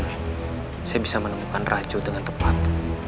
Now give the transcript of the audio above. saya bisa menemukan racu dengan tepat